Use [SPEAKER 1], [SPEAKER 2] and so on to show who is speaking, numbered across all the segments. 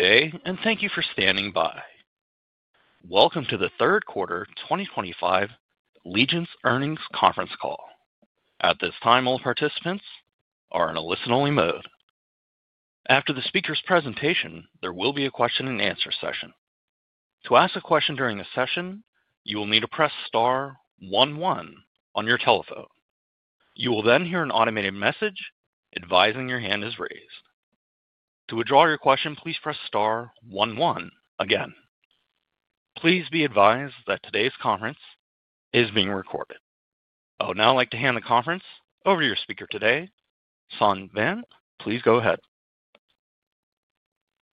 [SPEAKER 1] Good day, and thank you for standing by. Welcome to the third quarter 2025 Legence Earnings conference call. At this time, all participants are in a listen-only mode. After the speaker's presentation, there will be a question-and-answer session. To ask a question during the session, you will need to press star one one on your telephone. You will then hear an automated message advising your hand is raised. To withdraw your question, please press star one one again. Please be advised that today's conference is being recorded. I would now like to hand the conference over to your speaker today, Son Van. Please go ahead.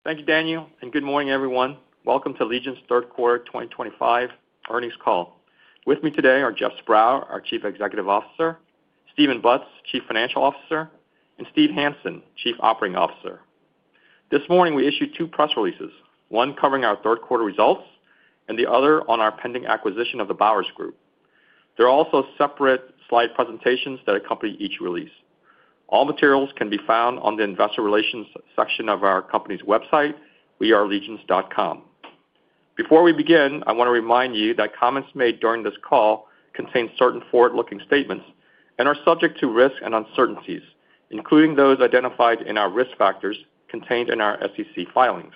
[SPEAKER 2] Thank you, Daniel, and good morning, everyone. Welcome to Legence third quarter 2025 earnings call. With me today are Jeff Sprouw, our Chief Executive Officer; Stephen Butts, Chief Financial Officer; and Steve Hansen, Chief Operating Officer. This morning, we issued two press releases, one covering our third quarter results and the other on our pending acquisition of the Bowers Group. There are also separate slide presentations that accompany each release. All materials can be found on the investor relations section of our company's website, wearegence.com. Before we begin, I want to remind you that comments made during this call contain certain forward-looking statements and are subject to risk and uncertainties, including those identified in our risk factors contained in our SEC filings.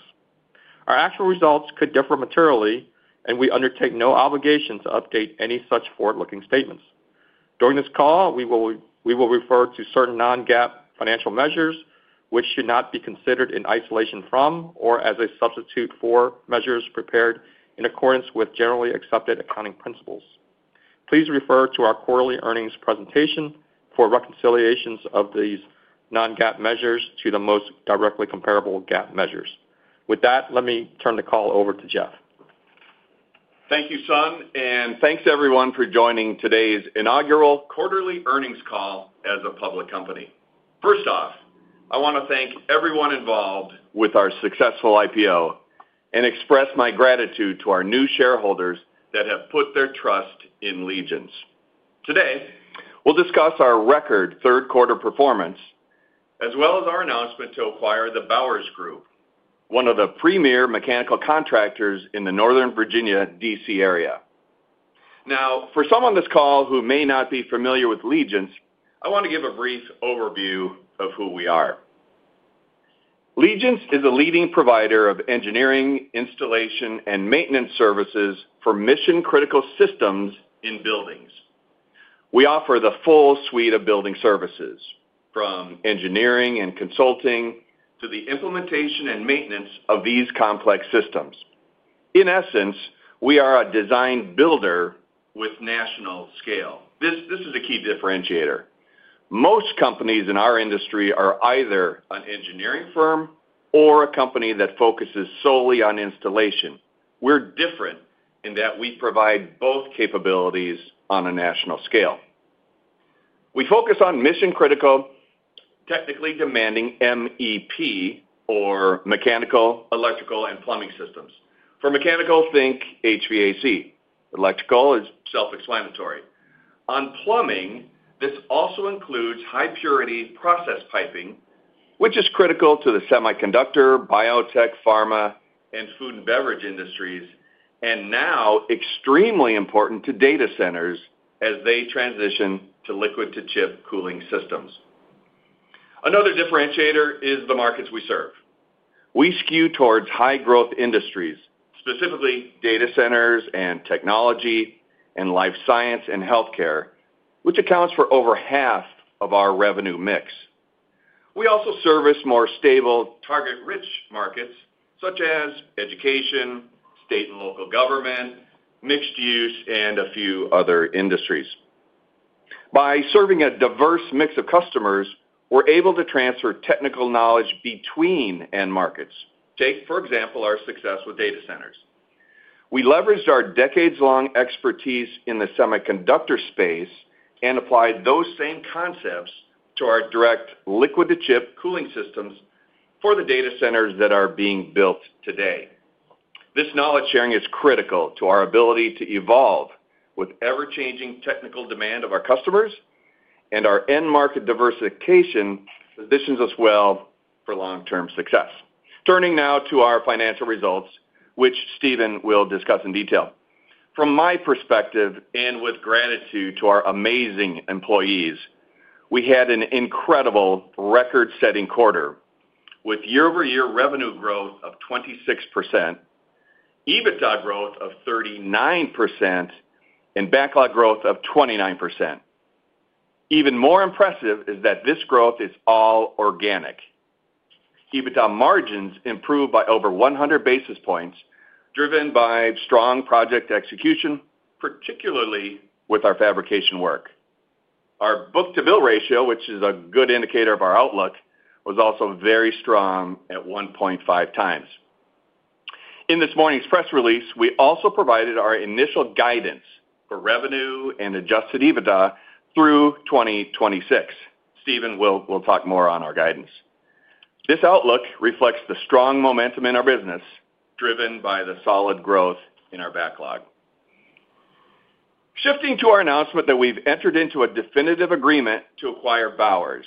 [SPEAKER 2] Our actual results could differ materially, and we undertake no obligation to update any such forward-looking statements. During this call, we will refer to certain non-GAAP financial measures, which should not be considered in isolation from or as a substitute for measures prepared in accordance with generally accepted accounting principles. Please refer to our quarterly earnings presentation for reconciliations of these non-GAAP measures to the most directly comparable GAAP measures. With that, let me turn the call over to Jeff.
[SPEAKER 3] Thank you, Son, and thanks, everyone, for joining today's inaugural quarterly earnings call as a public company. First off, I want to thank everyone involved with our successful IPO and express my gratitude to our new shareholders that have put their trust in Legence. Today, we'll discuss our record third quarter performance as well as our announcement to acquire the Bowers Group, one of the premier mechanical contractors in the Northern Virginia DC area. Now, for some on this call who may not be familiar with Legence, I want to give a brief overview of who we are. Legence is a leading provider of engineering, installation, and maintenance services for mission-critical systems in buildings. We offer the full suite of building services, from engineering and consulting to the implementation and maintenance of these complex systems. In essence, we are a design builder with national scale. This is a key differentiator. Most companies in our industry are either an engineering firm or a company that focuses solely on installation. We are different in that we provide both capabilities on a national scale. We focus on mission-critical, technically demanding MEP, or mechanical, electrical, and plumbing systems. For mechanical, think HVAC. Electrical is self-explanatory. On plumbing, this also includes high-purity process piping, which is critical to the semiconductor, biotech, pharma, and food and beverage industries, and now extremely important to data centers as they transition to liquid-to-chip cooling systems. Another differentiator is the markets we serve. We skew towards high-growth industries, specifically data centers and technology and life science and healthcare, which accounts for over half of our revenue mix. We also service more stable target-rich markets such as education, state and local government, mixed use, and a few other industries. By serving a diverse mix of customers, we're able to transfer technical knowledge between end markets. Take, for example, our success with data centers. We leveraged our decades-long expertise in the semiconductor space and applied those same concepts to our direct liquid-to-chip cooling systems for the data centers that are being built today. This knowledge sharing is critical to our ability to evolve with ever-changing technical demand of our customers, and our end market diversification positions us well for long-term success. Turning now to our financial results, which Stephen will discuss in detail. From my perspective, and with gratitude to our amazing employees, we had an incredible record-setting quarter with year-over-year revenue growth of 26%, EBITDA growth of 39%, and backlog growth of 29%. Even more impressive is that this growth is all organic. EBITDA margins improved by over 100 basis points, driven by strong project execution, particularly with our fabrication work. Our book-to-bill ratio, which is a good indicator of our outlook, was also very strong at 1.5x. In this morning's press release, we also provided our initial guidance for revenue and Adjusted EBITDA through 2026. Stephen will talk more on our guidance. This outlook reflects the strong momentum in our business, driven by the solid growth in our backlog. Shifting to our announcement that we have entered into a definitive agreement to acquire Bowers.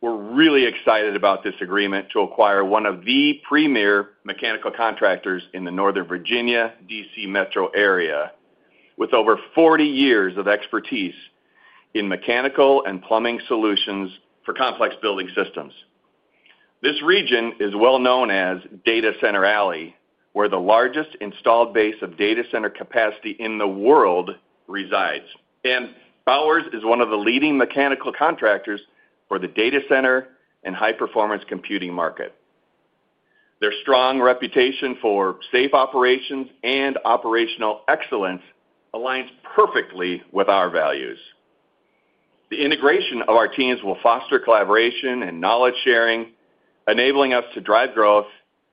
[SPEAKER 3] We are really excited about this agreement to acquire one of the premier mechanical contractors in the Northern Virginia DC metro area, with over 40 years of expertise in mechanical and plumbing solutions for complex building systems. This region is well known as Data Center Alley, where the largest installed base of data center capacity in the world resides. Bowers is one of the leading mechanical contractors for the data center and high-performance computing market. Their strong reputation for safe operations and operational excellence aligns perfectly with our values. The integration of our teams will foster collaboration and knowledge sharing, enabling us to drive growth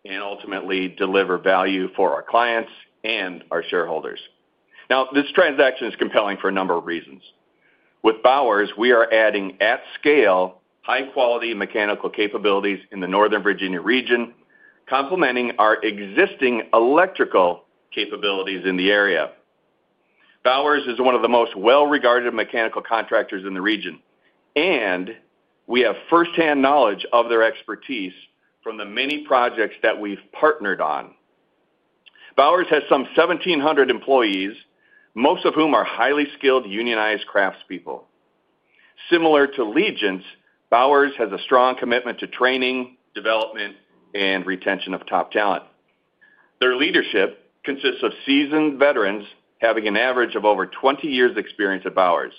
[SPEAKER 3] and ultimately deliver value for our clients and our shareholders. This transaction is compelling for a number of reasons. With Bowers, we are adding at scale high-quality mechanical capabilities in the Northern Virginia region, complementing our existing electrical capabilities in the area. Bowers is one of the most well-regarded mechanical contractors in the region, and we have firsthand knowledge of their expertise from the many projects that we've partnered on. Bowers has some 1,700 employees, most of whom are highly skilled unionized craftspeople. Similar to Legence, Bowers has a strong commitment to training, development, and retention of top talent. Their leadership consists of seasoned veterans having an average of over 20 years' experience at Bowers.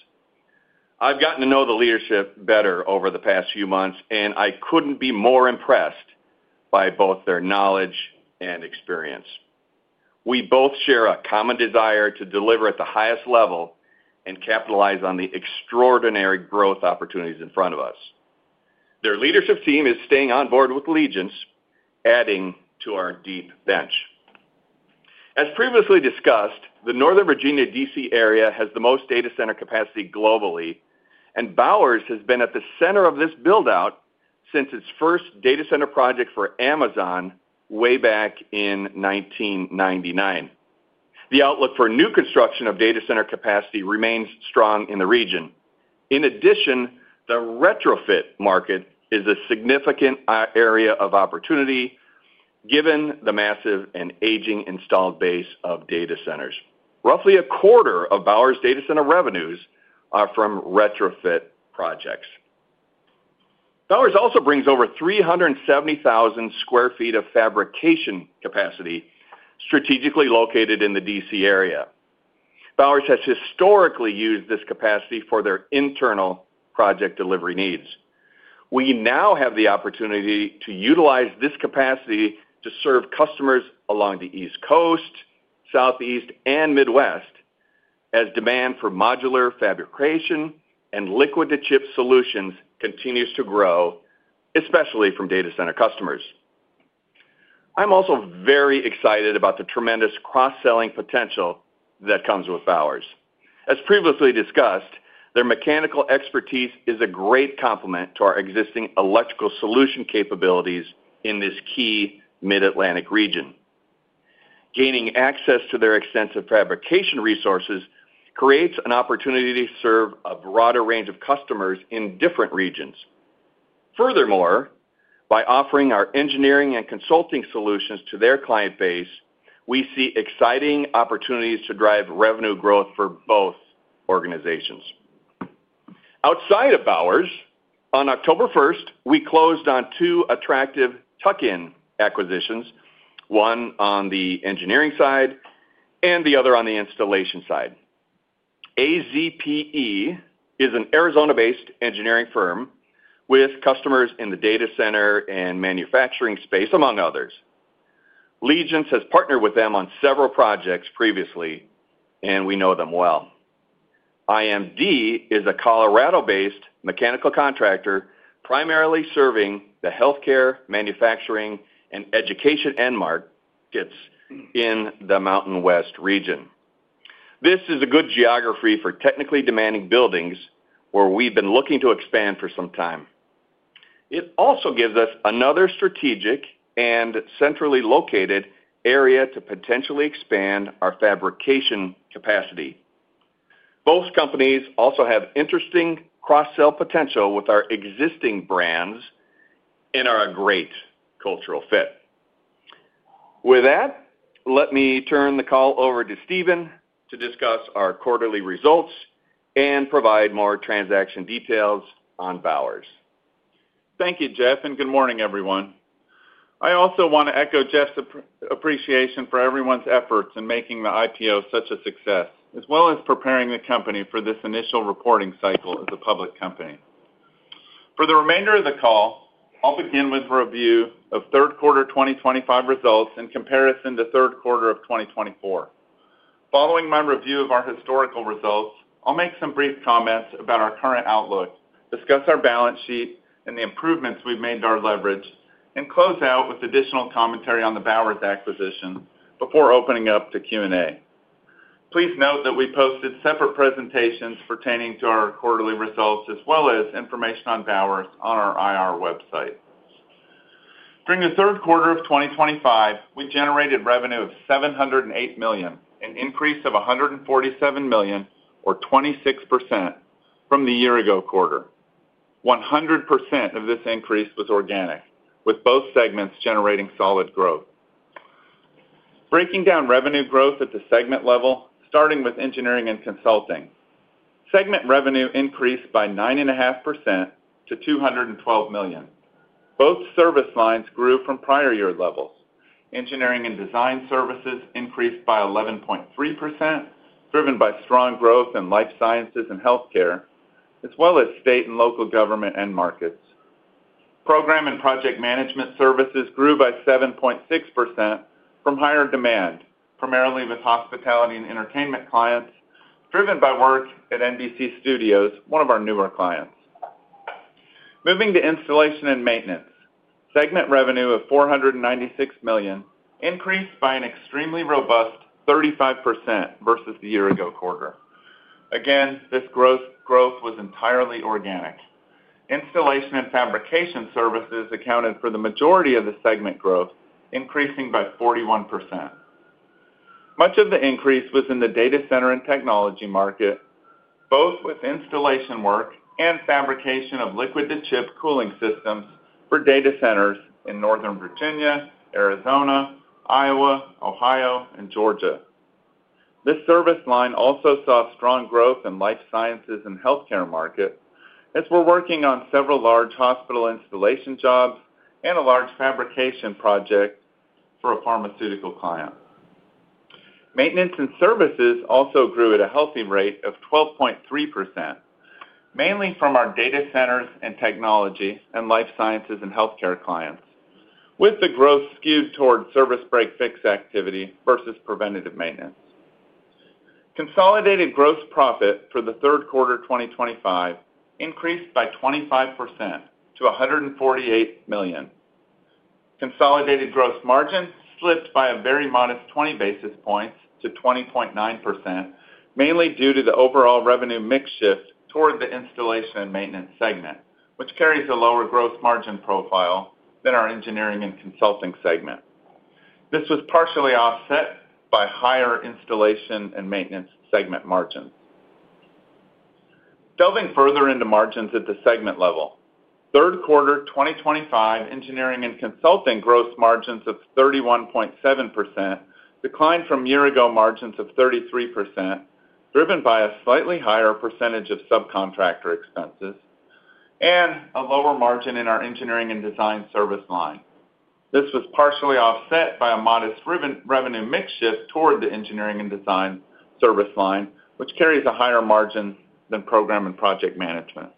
[SPEAKER 3] I've gotten to know the leadership better over the past few months, and I couldn't be more impressed by both their knowledge and experience. We both share a common desire to deliver at the highest level and capitalize on the extraordinary growth opportunities in front of us. Their leadership team is staying on board with Legence, adding to our deep bench. As previously discussed, the Northern Virginia DC area has the most data center capacity globally, and Bowers has been at the center of this build-out since its first data center project for Amazon way back in 1999. The outlook for new construction of data center capacity remains strong in the region. In addition, the retrofit market is a significant area of opportunity given the massive and aging installed base of data centers. Roughly a quarter of Bowers' data center revenues are from retrofit projects. Bowers also brings over 370,000 sq ft of fabrication capacity strategically located in the DC area. Bowers has historically used this capacity for their internal project delivery needs. We now have the opportunity to utilize this capacity to serve customers along the East Coast, Southeast, and Midwest as demand for modular fabrication and liquid-to-chip solutions continues to grow, especially from data center customers. I'm also very excited about the tremendous cross-selling potential that comes with Bowers. As previously discussed, their mechanical expertise is a great complement to our existing electrical solution capabilities in this key Mid-Atlantic region. Gaining access to their extensive fabrication resources creates an opportunity to serve a broader range of customers in different regions. Furthermore, by offering our engineering and consulting solutions to their client base, we see exciting opportunities to drive revenue growth for both organizations. Outside of Bowers, on October 1st, we closed on two attractive tuck-in acquisitions, one on the engineering side and the other on the installation side. AZPE is an Arizona-based engineering firm with customers in the data center and manufacturing space, among others. Legence has partnered with them on several projects previously, and we know them well. IMD is a Colorado-based mechanical contractor primarily serving the healthcare, manufacturing, and education end markets in the Mountain West region. This is a good geography for technically demanding buildings where we've been looking to expand for some time. It also gives us another strategic and centrally located area to potentially expand our fabrication capacity. Both companies also have interesting cross-sell potential with our existing brands and are a great cultural fit. With that, let me turn the call over to Stephen to discuss our quarterly results and provide more transaction details on Bowers.
[SPEAKER 4] Thank you, Jeff, and good morning, everyone. I also want to echo Jeff's appreciation for everyone's efforts in making the IPO such a success, as well as preparing the company for this initial reporting cycle as a public company. For the remainder of the call, I'll begin with a review of third quarter 2025 results in comparison to third quarter of 2024. Following my review of our historical results, I'll make some brief comments about our current outlook, discuss our balance sheet and the improvements we've made to our leverage, and close out with additional commentary on the Bowers acquisition before opening up to Q&A. Please note that we posted separate presentations pertaining to our quarterly results as well as information on Bowers on our IR website. During the third quarter of 2025, we generated revenue of $708 million, an increase of $147 million, or 26%, from the year-ago quarter. 100% of this increase was organic, with both segments generating solid growth. Breaking down revenue growth at the segment level, starting with engineering and consulting, segment revenue increased by 9.5% to $212 million. Both service lines grew from prior year levels. Engineering and design services increased by 11.3%, driven by strong growth in life sciences and healthcare, as well as state and local government end markets. Program and project management services grew by 7.6% from higher demand, primarily with hospitality and entertainment clients, driven by work at NBC Studios, one of our newer clients. Moving to installation and maintenance, segment revenue of $496 million increased by an extremely robust 35% versus the year-ago quarter. Again, this growth was entirely organic. Installation and fabrication services accounted for the majority of the segment growth, increasing by 41%. Much of the increase was in the data center and technology market, both with installation work and fabrication of liquid-to-chip cooling systems for data centers in Northern Virginia, Arizona, Iowa, Ohio, and Georgia. This service line also saw strong growth in life sciences and healthcare markets as we're working on several large hospital installation jobs and a large fabrication project for a pharmaceutical client. Maintenance and services also grew at a healthy rate of 12.3%, mainly from our data centers and technology and life sciences and healthcare clients, with the growth skewed toward service break fix activity versus preventative maintenance. Consolidated gross profit for the third quarter 2025 increased by 25% to $148 million. Consolidated gross margin slipped by a very modest 20 basis points to 20.9%, mainly due to the overall revenue mix shift toward the installation and maintenance segment, which carries a lower gross margin profile than our engineering and consulting segment. This was partially offset by higher installation and maintenance segment margins. Delving further into margins at the segment level, third quarter 2025 engineering and consulting gross margins of 31.7% declined from year-ago margins of 33%, driven by a slightly higher percentage of subcontractor expenses and a lower margin in our engineering and design service line. This was partially offset by a modest revenue mix shift toward the engineering and design service line, which carries a higher margin than program and project management.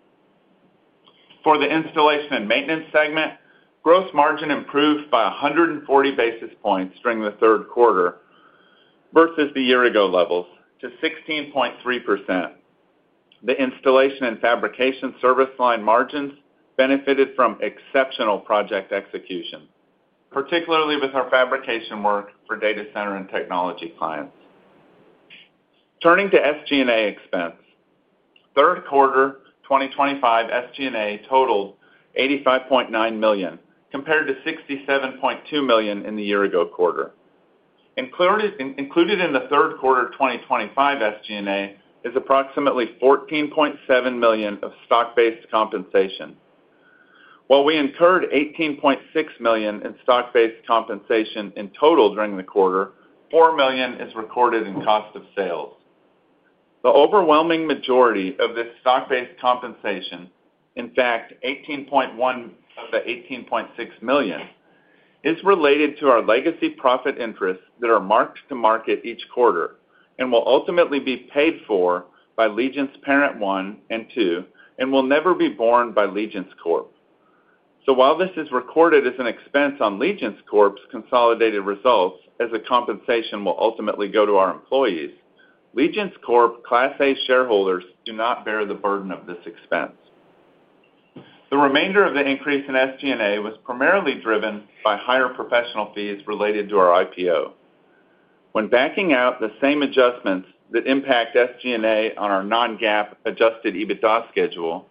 [SPEAKER 4] For the installation and maintenance segment, gross margin improved by 140 basis points during the third quarter versus the year-ago levels to 16.3%. The installation and fabrication service line margins benefited from exceptional project execution, particularly with our fabrication work for data center and technology clients. Turning to SG&A expense, third quarter 2025 SG&A totaled $85.9 million, compared to $67.2 million in the year-ago quarter. Included in the third quarter 2025 SG&A is approximately $14.7 million of stock-based compensation. While we incurred $18.6 million in stock-based compensation in total during the quarter, $4 million is recorded in cost of sales. The overwhelming majority of this stock-based compensation, in fact $18.1 of the $18.6 million, is related to our legacy profit interests that are marked to market each quarter and will ultimately be paid for by Legence Parent One and Two and will never be borne by Legence. While this is recorded as an expense on Legence's consolidated results as the compensation will ultimately go to our employees, Legence Class A shareholders do not bear the burden of this expense. The remainder of the increase in SG&A was primarily driven by higher professional fees related to our IPO. When backing out the same adjustments that impact SG&A on our non-GAAP Adjusted EBITDA schedule,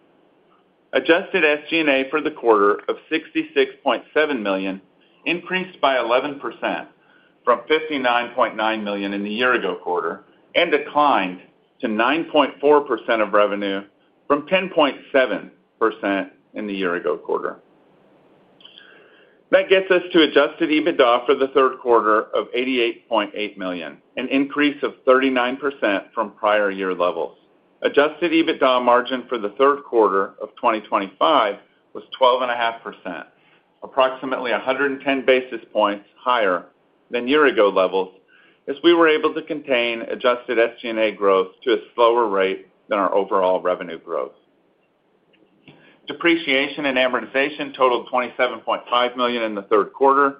[SPEAKER 4] adjusted SG&A for the quarter of $66.7 million increased by 11% from $59.9 million in the year-ago quarter and declined to 9.4% of revenue from 10.7% in the year-ago quarter. That gets us to Adjusted EBITDA for the third quarter of $88.8 million, an increase of 39% from prior year levels. Adjusted EBITDA margin for the third quarter of 2025 was 12.5%, approximately 110 basis points higher than year-ago levels as we were able to contain adjusted SG&A growth to a slower rate than our overall revenue growth. Depreciation and amortization totaled $27.5 million in the third quarter,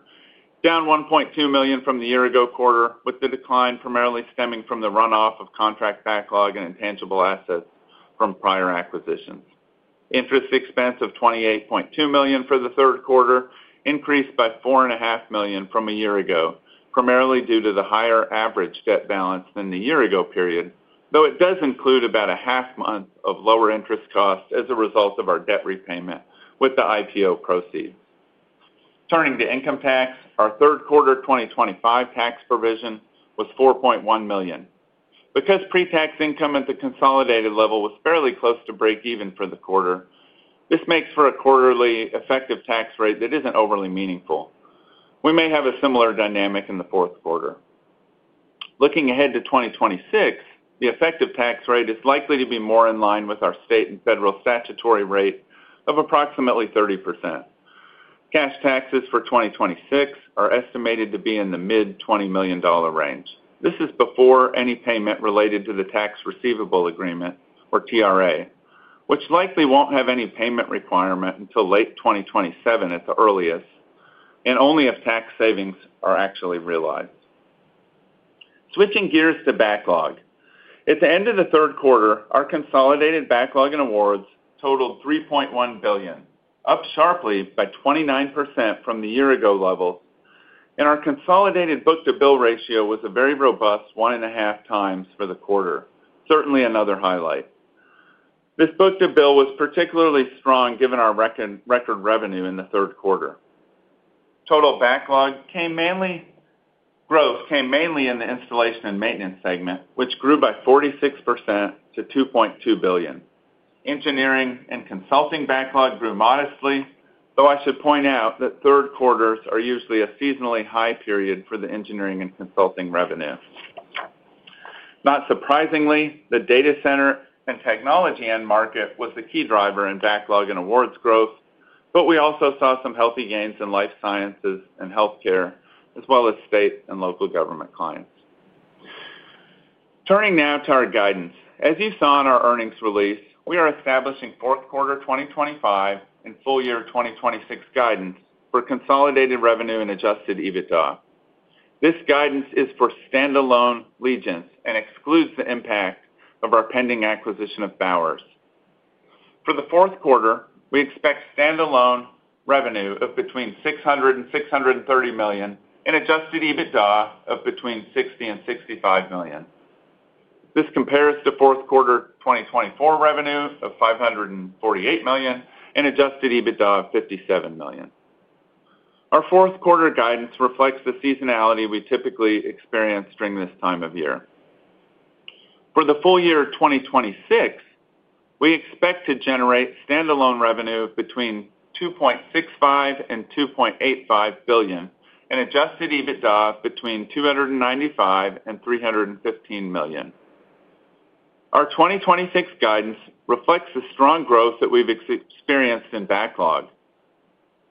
[SPEAKER 4] down $1.2 million from the year-ago quarter, with the decline primarily stemming from the runoff of contract backlog and intangible assets from prior acquisitions. Interest expense of $28.2 million for the third quarter increased by $4.5 million from a year ago, primarily due to the higher average debt balance than the year-ago period, though it does include about a half month of lower interest costs as a result of our debt repayment with the IPO proceeds. Turning to income tax, our third quarter 2025 tax provision was $4.1 million. Because pre-tax income at the consolidated level was fairly close to break-even for the quarter, this makes for a quarterly effective tax rate that isn't overly meaningful. We may have a similar dynamic in the fourth quarter. Looking ahead to 2026, the effective tax rate is likely to be more in line with our state and federal statutory rate of approximately 30%. Cash taxes for 2026 are estimated to be in the mid-$20 million range. This is before any payment related to the tax receivable agreement, or TRA, which likely won't have any payment requirement until late 2027 at the earliest and only if tax savings are actually realized. Switching gears to backlog, at the end of the third quarter, our consolidated backlog and awards totaled $3.1 billion, up sharply by 29% from the year-ago levels, and our consolidated book-to-bill ratio was a very robust 1.5x for the quarter, certainly another highlight. This book-to-bill was particularly strong given our record revenue in the third quarter. Total backlog came mainly in the installation and maintenance segment, which grew by 46% to $2.2 billion. Engineering and consulting backlog grew modestly, though I should point out that third quarters are usually a seasonally high period for the engineering and consulting revenue. Not surprisingly, the data center and technology end market was the key driver in backlog and awards growth, but we also saw some healthy gains in life sciences and healthcare, as well as state and local government clients. Turning now to our guidance. As you saw in our earnings release, we are establishing fourth quarter 2025 and full year 2026 guidance for consolidated revenue and Adjusted EBITDA. This guidance is for standalone Legence and excludes the impact of our pending acquisition of Bowers. For the fourth quarter, we expect standalone revenue of between $600 million and $630 million and Adjusted EBITDA of between $60 million and $65 million. This compares to fourth quarter 2024 revenue of $548 million and Adjusted EBITDA of $57 million. Our fourth quarter guidance reflects the seasonality we typically experience during this time of year. For the full year 2026, we expect to generate standalone revenue between $2.65 billion and $2.85 billion and Adjusted EBITDA between $295 million and $315 million. Our 2026 guidance reflects the strong growth that we've experienced in backlog,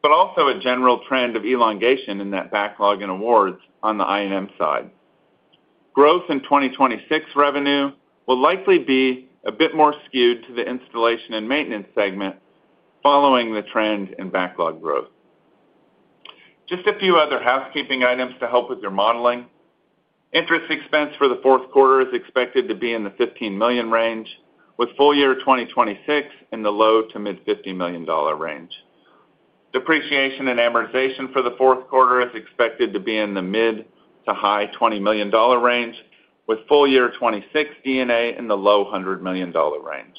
[SPEAKER 4] but also a general trend of elongation in that backlog and awards on the I&M side. Growth in 2026 revenue will likely be a bit more skewed to the installation and maintenance segment following the trend in backlog growth. Just a few other housekeeping items to help with your modeling. Interest expense for the fourth quarter is expected to be in the $15 million range, with full year 2026 in the low to mid-$50 million range. Depreciation and amortization for the fourth quarter is expected to be in the mid to high $20 million range, with full year 2026 D&A in the low $100 million range.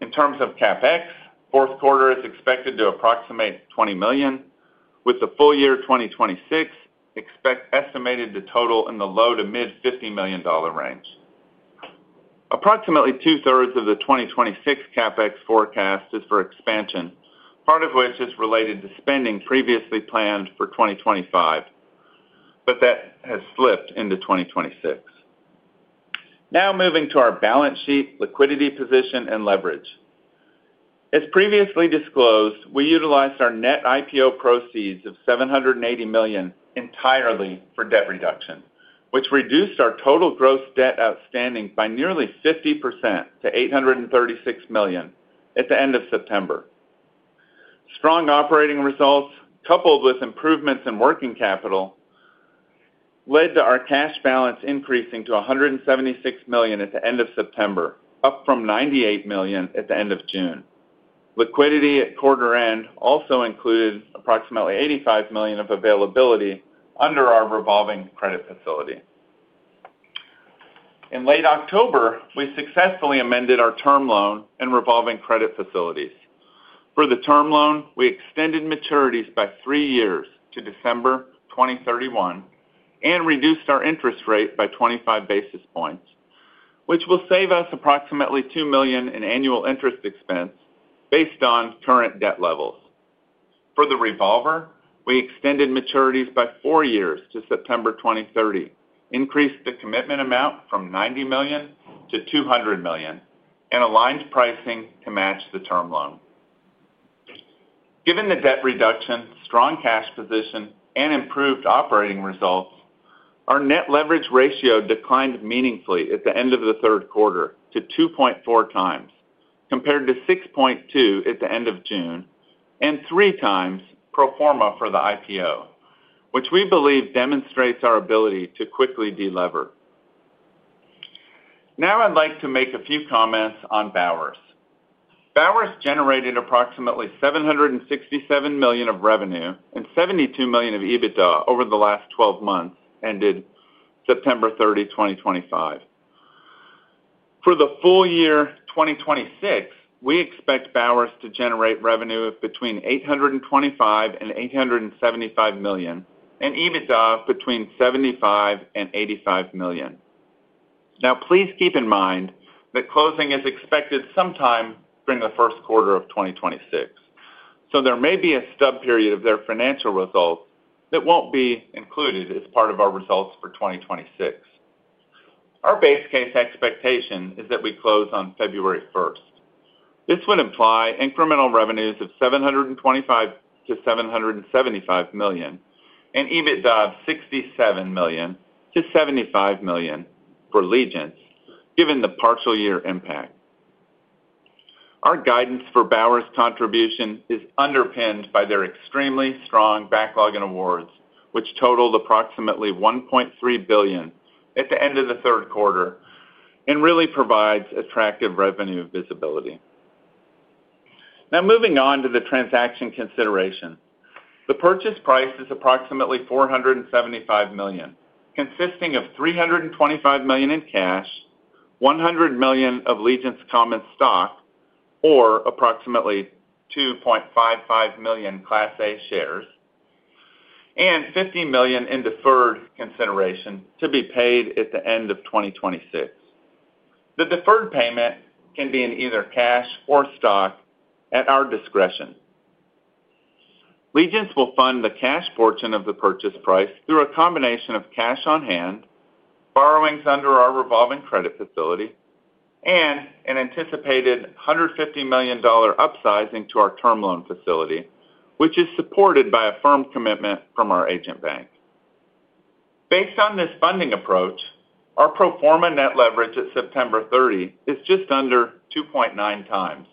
[SPEAKER 4] In terms of CapEx, fourth quarter is expected to approximate $20 million, with the full year 2026 estimated to total in the low to mid-$50 million range. Approximately 2/3 of the 2026 CapEx forecast is for expansion, part of which is related to spending previously planned for 2025, but that has slipped into 2026. Now moving to our balance sheet, liquidity position, and leverage. As previously disclosed, we utilized our net IPO proceeds of $780 million entirely for debt reduction, which reduced our total gross debt outstanding by nearly 50% to $836 million at the end of September. Strong operating results, coupled with improvements in working capital, led to our cash balance increasing to $176 million at the end of September, up from $98 million at the end of June. Liquidity at quarter end also included approximately $85 million of availability under our revolving credit facility. In late October, we successfully amended our term loan and revolving credit facilities. For the term loan, we extended maturities by three years to December 2031 and reduced our interest rate by 25 basis points, which will save us approximately $2 million in annual interest expense based on current debt levels. For the revolver, we extended maturities by four years to September 2030, increased the commitment amount from $90 million-$200 million, and aligned pricing to match the term loan. Given the debt reduction, strong cash position, and improved operating results, our net leverage ratio declined meaningfully at the end of the third quarter to 2.4x, compared to 6.2x at the end of June and 3x pro forma for the IPO, which we believe demonstrates our ability to quickly delever. Now I'd like to make a few comments on Bowers. Bowers generated approximately $767 million of revenue and $72 million of EBITDA over the last 12 months ended September 30th, 2025. For the full year 2026, we expect Bowers to generate revenue between $825 million and $875 million and EBITDA between $75 million and $85 million. Now, please keep in mind that closing is expected sometime during the first quarter of 2026, so there may be a stub period of their financial results that will not be included as part of our results for 2026. Our base case expectation is that we close on February 1. This would imply incremental revenues of $725 million-$775 million and EBITDA of $67 million-$75 million for Legence, given the partial year impact. Our guidance for Bowers' contribution is underpinned by their extremely strong backlog and awards, which totaled approximately $1.3 billion at the end of the third quarter and really provides attractive revenue visibility. Now, moving on to the transaction consideration. The purchase price is approximately $475 million, consisting of $325 million in cash, $100 million of Legence common stock, or approximately 2.55 million Class A shares, and $50 million in deferred consideration to be paid at the end of 2026. The deferred payment can be in either cash or stock at our discretion. Legence will fund the cash portion of the purchase price through a combination of cash on hand, borrowings under our revolving credit facility, and an anticipated $150 million upsizing to our term loan facility, which is supported by a firm commitment from our agent bank. Based on this funding approach, our pro forma net leverage at September 30 is just under 2.9x,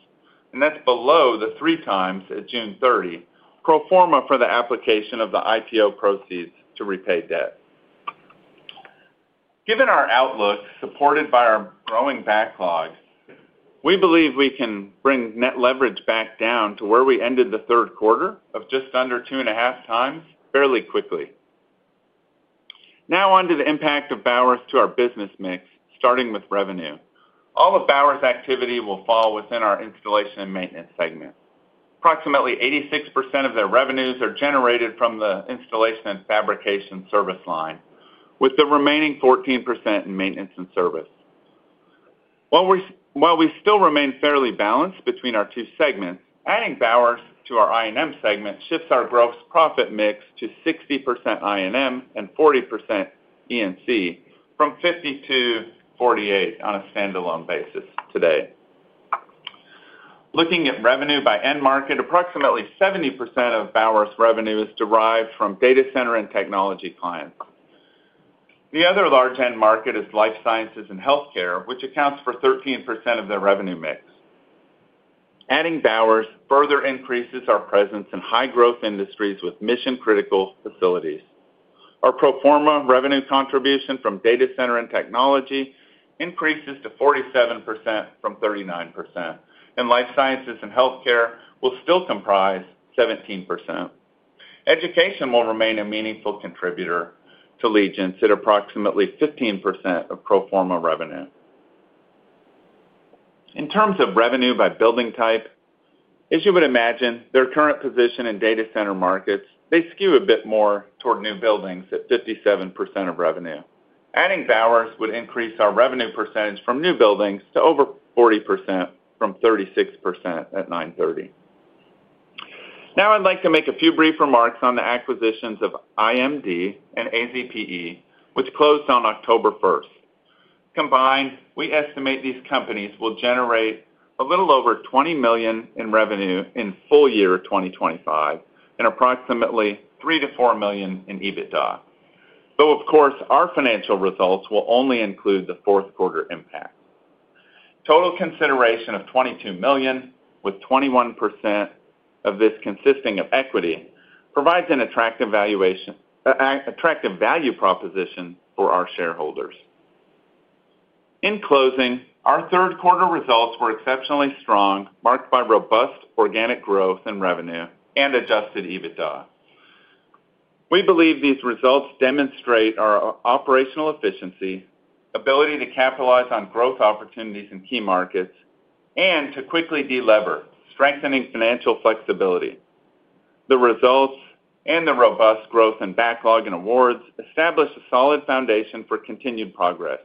[SPEAKER 4] and that's below the 3x at June 30 pro forma for the application of the IPO proceeds to repay debt. Given our outlook supported by our growing backlog, we believe we can bring net leverage back down to where we ended the third quarter of just under two and a half times fairly quickly. Now, on to the impact of Bowers to our business mix, starting with revenue. All of Bowers' activity will fall within our installation and maintenance segment. Approximately 86% of their revenues are generated from the installation and fabrication service line, with the remaining 14% in maintenance and service. While we still remain fairly balanced between our two segments, adding Bowers to our I&M segment shifts our gross profit mix to 60% I&M and 40% E&C from 50%-48% on a standalone basis today. Looking at revenue by end market, approximately 70% of Bowers' revenue is derived from data center and technology clients. The other large end market is life sciences and healthcare, which accounts for 13% of their revenue mix. Adding Bowers further increases our presence in high-growth industries with mission-critical facilities. Our pro forma revenue contribution from data center and technology increases to 47% from 39%, and life sciences and healthcare will still comprise 17%. Education will remain a meaningful contributor to Legence at approximately 15% of pro forma revenue. In terms of revenue by building type, as you would imagine, their current position in data center markets, they skew a bit more toward new buildings at 57% of revenue. Adding Bowers would increase our revenue percentage from new buildings to over 40% from 36% at 9:30. Now, I'd like to make a few brief remarks on the acquisitions of IMD and AZPE, which closed on October 1. Combined, we estimate these companies will generate a little over $20 million in revenue in full year 2025 and approximately $3 million-$4 million in EBITDA, though, of course, our financial results will only include the fourth quarter impact. Total consideration of $22 million, with 21% of this consisting of equity, provides an attractive value proposition for our shareholders. In closing, our third quarter results were exceptionally strong, marked by robust organic growth in revenue and Adjusted EBITDA. We believe these results demonstrate our operational efficiency, ability to capitalize on growth opportunities in key markets, and to quickly delever, strengthening financial flexibility. The results and the robust growth in backlog and awards establish a solid foundation for continued progress.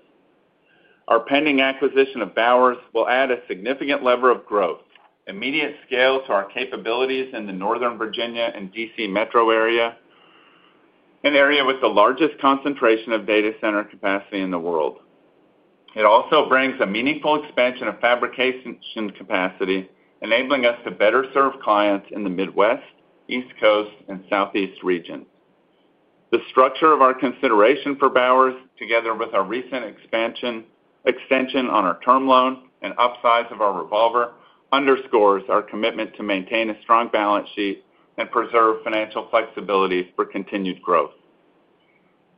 [SPEAKER 4] Our pending acquisition of Bowers will add a significant lever of growth, immediate scale to our capabilities in the Northern Virginia and DC metro area, an area with the largest concentration of data center capacity in the world. It also brings a meaningful expansion of fabrication capacity, enabling us to better serve clients in the Midwest, East Coast, and Southeast regions. The structure of our consideration for Bowers, together with our recent extension on our term loan and upsize of our revolver, underscores our commitment to maintain a strong balance sheet and preserve financial flexibility for continued growth.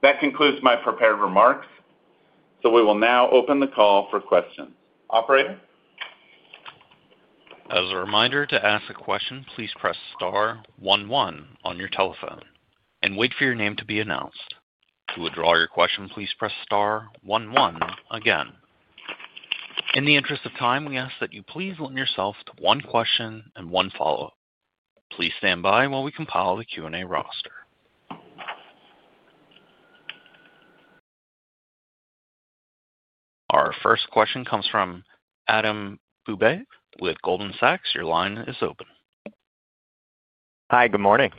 [SPEAKER 4] That concludes my prepared remarks, so we will now open the call for questions. Operator?
[SPEAKER 1] As a reminder, to ask a question, please press star one one on your telephone and wait for your name to be announced. To withdraw your question, please press star one one again. In the interest of time, we ask that you please limit yourself to one question and one follow-up. Please stand by while we compile the Q&A roster. Our first question comes from Adam Bubes with Goldman Sachs. Your line is open.
[SPEAKER 5] Hi, good morning.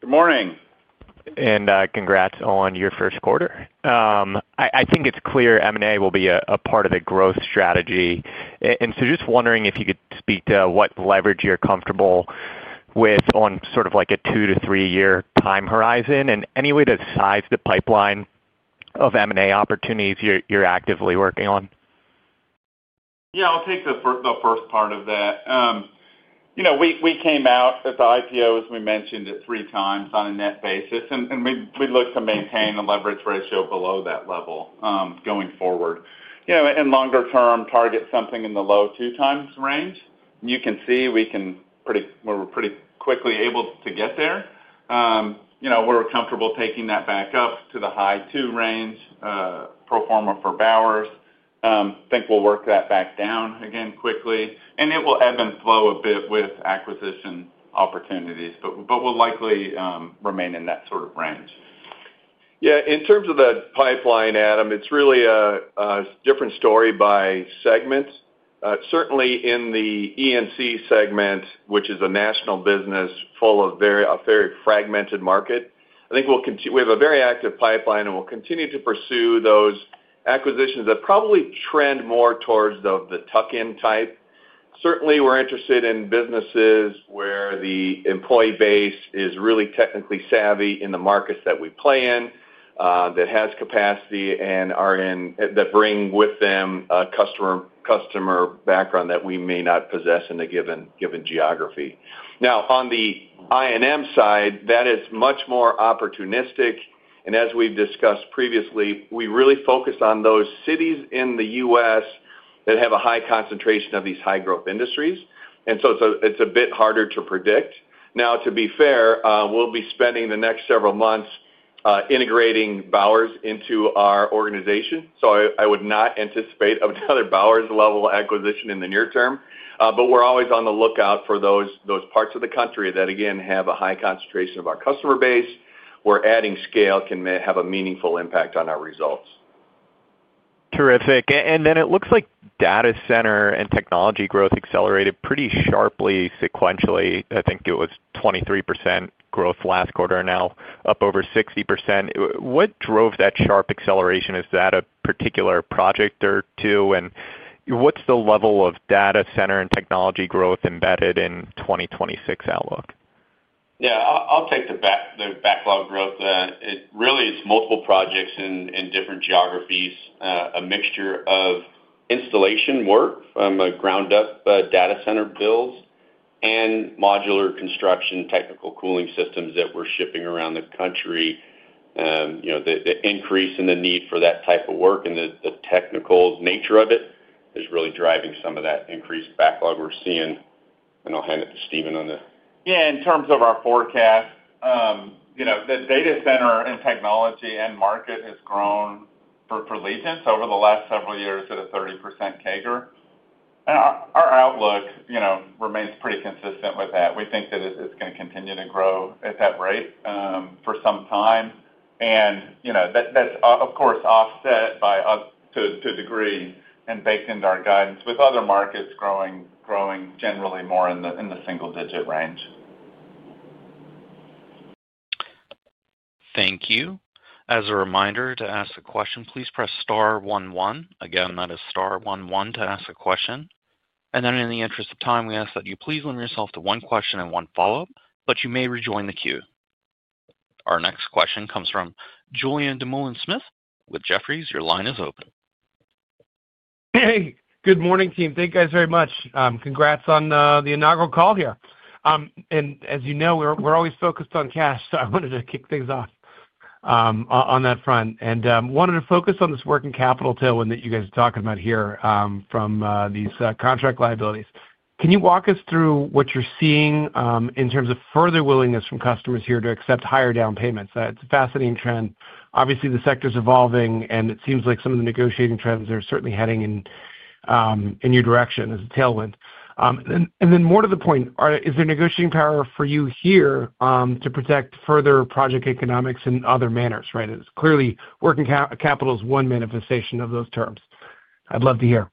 [SPEAKER 5] Good morning. And congrats on your first quarter. I think it's clear M&A will be a part of the growth strategy. Just wondering if you could speak to what leverage you're comfortable with on sort of like a two to three-year time horizon and any way to size the pipeline of M&A opportunities you're actively working on.
[SPEAKER 3] Yeah, I'll take the first part of that. We came out at the IPO, as we mentioned, at three times on a net basis, and we look to maintain a leverage ratio below that level going forward. In longer term, target something in the low two times range. You can see we were pretty quickly able to get there. We're comfortable taking that back up to the high two range, pro forma for Bowers. I think we'll work that back down again quickly, and it will ebb and flow a bit with acquisition opportunities, but we'll likely remain in that sort of range.
[SPEAKER 4] Yeah, in terms of the pipeline, Adam, it's really a different story by segment. Certainly in the E&C segment, which is a national business full of a very fragmented market, I think we have a very active pipeline, and we'll continue to pursue those acquisitions that probably trend more towards the tuck-in type. Certainly, we're interested in businesses where the employee base is really technically savvy in the markets that we play in, that has capacity and that bring with them a customer background that we may not possess in a given geography. Now, on the I&M side, that is much more opportunistic, and as we've discussed previously, we really focus on those cities in the U.S. that have a high concentration of these high-growth industries, and so it's a bit harder to predict. Now, to be fair, we'll be spending the next several months integrating Bowers into our organization, so I would not anticipate another Bowers-level acquisition in the near term, but we're always on the lookout for those parts of the country that, again, have a high concentration of our customer base where adding scale can have a meaningful impact on our results.
[SPEAKER 5] Terrific. It looks like data center and technology growth accelerated pretty sharply sequentially. I think it was 23% growth last quarter, now up over 60%. What drove that sharp acceleration? Is that a particular project or two, and what's the level of data center and technology growth embedded in 2026 outlook?
[SPEAKER 3] Yeah, I'll take the backlog growth. Really, it's multiple projects in different geographies, a mixture of installation work from ground-up data center builds and modular construction technical cooling systems that we're shipping around the country. The increase in the need for that type of work and the technical nature of it is really driving some of that increased backlog we're seeing, and I'll hand it to Stephen on the.
[SPEAKER 4] Yeah, in terms of our forecast, the data center and technology end market has grown for Legence over the last several years at a 30% CAGR. Our outlook remains pretty consistent with that. We think that it's going to continue to grow at that rate for some time, and that's, of course, offset by, to a degree and baked into our guidance with other markets growing generally more in the single-digit range.
[SPEAKER 1] Thank you. As a reminder to ask a question, please press star one one. Again, that is star one one to ask a question. In the interest of time, we ask that you please limit yourself to one question and one follow-up, but you may rejoin the queue. Our next question comes from Julien Dumoulin-Smith with Jefferies. Your line is open.
[SPEAKER 6] Hey, good morning, team. Thank you guys very much. Congrats on the inaugural call here. As you know, we're always focused on cash, so I wanted to kick things off on that front and wanted to focus on this working capital tailwind that you guys are talking about here from these contract liabilities. Can you walk us through what you're seeing in terms of further willingness from customers here to accept higher down payments? It's a fascinating trend. Obviously, the sector's evolving, and it seems like some of the negotiating trends are certainly heading in your direction as a tailwind. More to the point, is there negotiating power for you here to protect further project economics in other manners? Right? Clearly, working capital is one manifestation of those terms. I'd love to hear.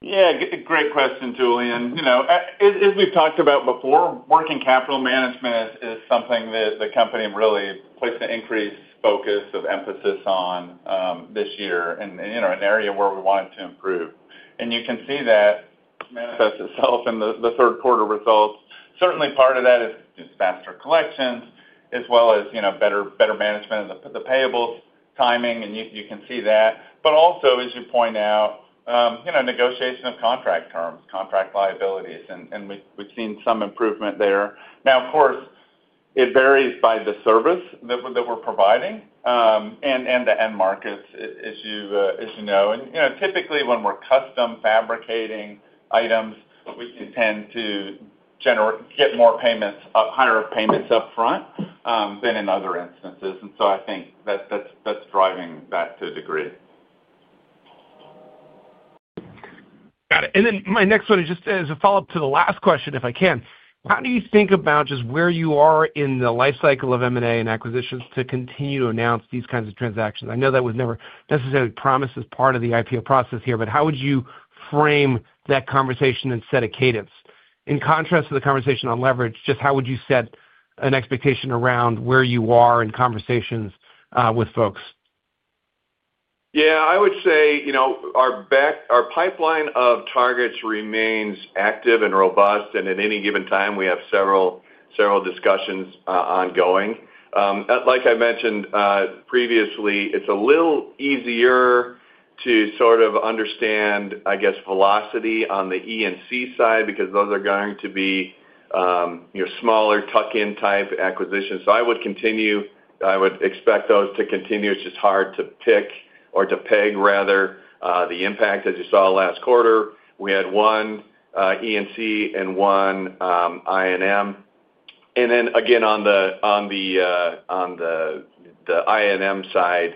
[SPEAKER 4] Yeah, great question, Julien.As we've talked about before, working capital management is something that the company really placed an increased focus of emphasis on this year in an area where we wanted to improve. You can see that manifest itself in the third quarter results. Certainly, part of that is faster collections as well as better management of the payables timing, and you can see that. Also, as you point out, negotiation of contract terms, contract liabilities, and we've seen some improvement there. Now, of course, it varies by the service that we're providing and the end markets, as you know. Typically, when we're custom fabricating items, we tend to get more payments, higher payments upfront than in other instances. I think that's driving that to a degree.
[SPEAKER 6] Got it. My next one is just as a follow-up to the last question, if I can. How do you think about just where you are in the life cycle of M&A and acquisitions to continue to announce these kinds of transactions? I know that was never necessarily promised as part of the IPO process here, but how would you frame that conversation and set a cadence? In contrast to the conversation on leverage, just how would you set an expectation around where you are in conversations with folks?
[SPEAKER 4] Yeah, I would say our pipeline of targets remains active and robust, and at any given time, we have several discussions ongoing. Like I mentioned previously, it's a little easier to sort of understand, I guess, velocity on the E&C side because those are going to be smaller tuck-in type acquisitions. I would expect those to continue. It's just hard to pick or to peg, rather, the impact. As you saw last quarter, we had one E&C and one I&M. On the I&M side,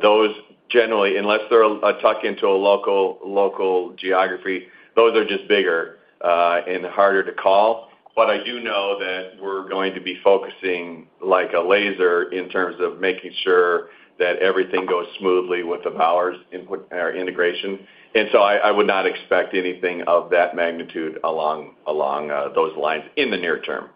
[SPEAKER 4] those generally, unless they're a tuck-in to a local geography, are just bigger and harder to call. I do know that we're going to be focusing like a laser in terms of making sure that everything goes smoothly with the Bowers integration. I would not expect anything of that magnitude along those lines in the near term.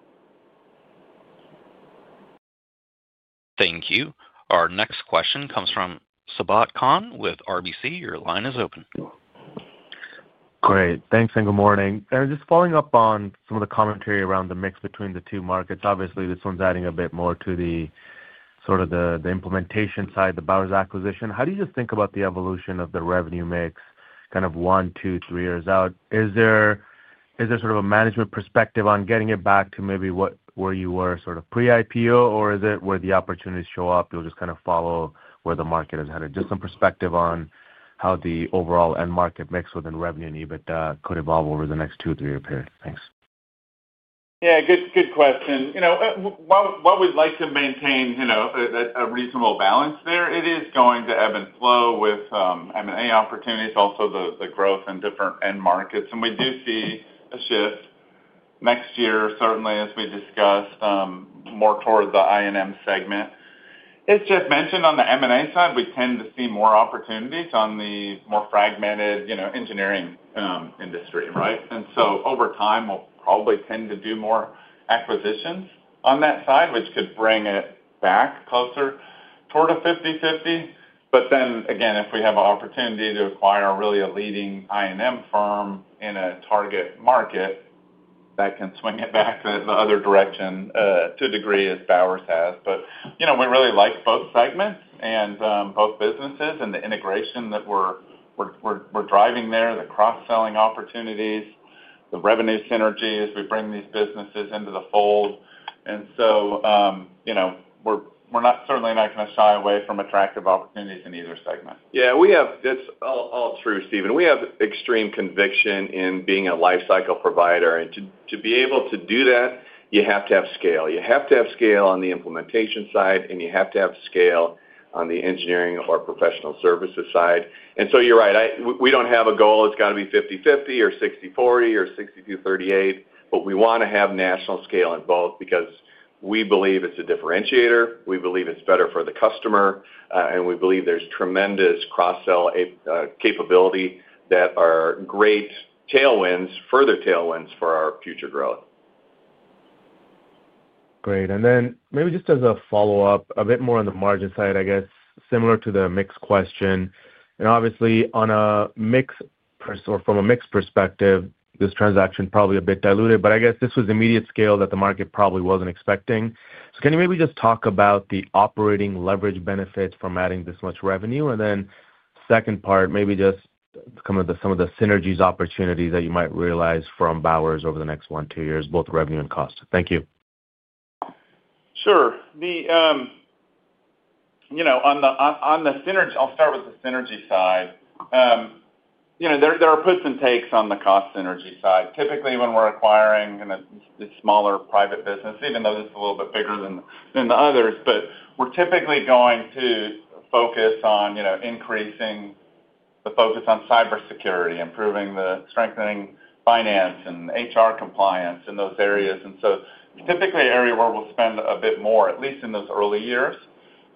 [SPEAKER 1] Thank you. Our next question comes from Sabahat Khan with RBC. Your line is open.
[SPEAKER 7] Great. Thanks and good morning. Just following up on some of the commentary around the mix between the two markets. Obviously, this one's adding a bit more to sort of the implementation side, the Bowers acquisition. How do you just think about the evolution of the revenue mix kind of one, two, three years out? Is there sort of a management perspective on getting it back to maybe where you were sort of pre-IPO, or is it where the opportunities show up, you'll just kind of follow where the market has headed? Just some perspective on how the overall end market mix within revenue and EBITDA could evolve over the next two to three year period. Thanks.
[SPEAKER 4] Yeah, good question. What we'd like to maintain a reasonable balance there. It is going to ebb and flow with M&A opportunities, also the growth in different end markets. We do see a shift next year, certainly, as we discussed, more toward the I&M segment. As Jeff mentioned, on the M&A side, we tend to see more opportunities on the more fragmented engineering industry, right? Over time, we'll probably tend to do more acquisitions on that side, which could bring it back closer toward a 50/50. If we have an opportunity to acquire really a leading I&M firm in a target market, that can swing it back to the other direction to a degree as Bowers has. We really like both segments and both businesses and the integration that we're driving there, the cross-selling opportunities, the revenue synergy as we bring these businesses into the fold. We're certainly not going to shy away from attractive opportunities in either segment.
[SPEAKER 3] Yeah, that's all true, Stephen. We have extreme conviction in being a life cycle provider. To be able to do that, you have to have scale. You have to have scale on the implementation side, and you have to have scale on the engineering or professional services side. You're right. We don't have a goal. It's got to be 50/50 or 60/40 or 62/38, but we want to have national scale in both because we believe it's a differentiator. We believe it's better for the customer, and we believe there's tremendous cross-sell capability that are great further tailwinds for our future growth.
[SPEAKER 7] Great. Maybe just as a follow-up, a bit more on the margin side, I guess, similar to the mix question. Obviously, from a mix perspective, this transaction probably a bit diluted, but I guess this was immediate scale that the market probably wasn't expecting. Can you maybe just talk about the operating leverage benefits from adding this much revenue? Then second part, maybe just some of the synergies opportunities that you might realize from Bowers over the next one, two years, both revenue and cost. Thank you.
[SPEAKER 4] Sure. On the synergy, I'll start with the synergy side. There are puts and takes on the cost synergy side. Typically, when we're acquiring a smaller private business, even though this is a little bit bigger than the others, but we're typically going to focus on increasing the focus on cybersecurity, strengthening finance and HR compliance in those areas. Typically, an area where we'll spend a bit more, at least in those early years.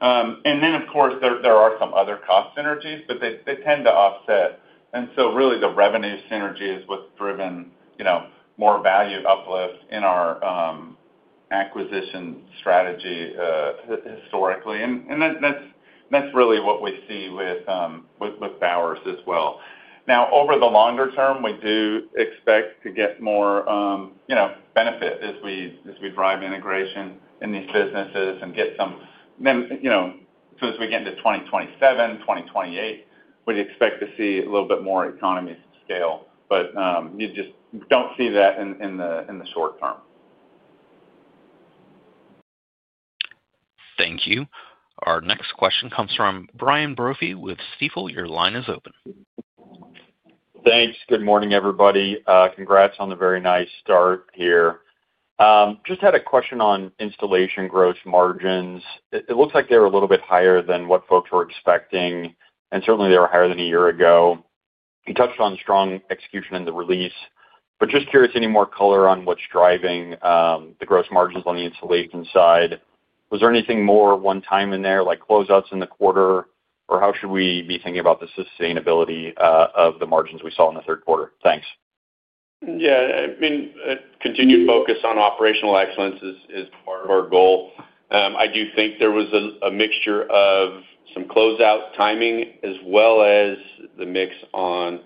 [SPEAKER 4] Of course, there are some other cost synergies, but they tend to offset. Really, the revenue synergy is what's driven more value uplift in our acquisition strategy historically. That's really what we see with Bowers as well. Now, over the longer term, we do expect to get more benefit as we drive integration in these businesses and get some so as we get into 2027, 2028, we'd expect to see a little bit more economies of scale, but you just do not see that in the short term.
[SPEAKER 1] Thank you. Our next question comes from Brian Brophy with Stifel. Your line is open.
[SPEAKER 8] Thanks. Good morning, everybody. Congrats on a very nice start here. Just had a question on installation gross margins. It looks like they were a little bit higher than what folks were expecting, and certainly, they were higher than a year ago. You touched on strong execution in the release, but just curious any more color on what's driving the gross margins on the installation side. Was there anything more one-time in there, like closeouts in the quarter, or how should we be thinking about the sustainability of the margins we saw in the third quarter?
[SPEAKER 3] Thanks. Yeah. I mean, continued focus on operational excellence is part of our goal. I do think there was a mixture of some closeout timing as well as the mix on